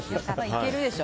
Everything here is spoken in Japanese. いけるでしょ